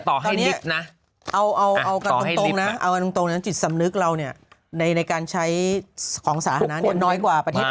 ตอนนี้เอากันตรงนะจิตสำนึกเราเนี่ยในการใช้ของสาธารณะนี้น้อยกว่าประเทศอื่น